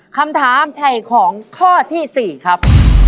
คำถามไถ่ของข้อที่๔ครับ